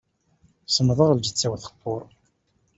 Semmḍeɣ lǧetta-w teqqur.